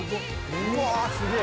うわすげぇ・・